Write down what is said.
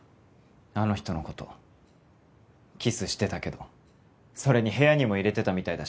あの人のことキスしてたけどそれに部屋にも入れてたみたいだ